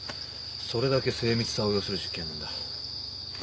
それだけ精密さを要する実験なんだ。